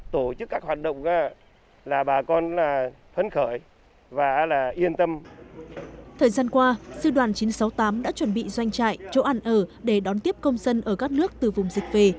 tại khu cách ly lực lượng quân y sư đoàn chín trăm sáu mươi tám đã chuẩn bị doanh trại chỗ ăn ở để đón tiếp công dân ở các nước từ vùng dịch về